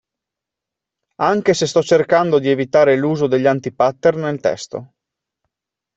Anche se sto cercando di evitare l'uso degli anti-pattern nel testo.